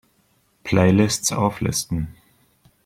Playlists auflisten!